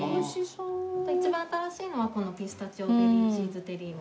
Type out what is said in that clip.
一番新しいのはこのピスタチオベリーチーズテリーヌ。